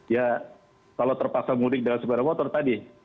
ya kalau terpaksa mudik dengan sepeda motor tadi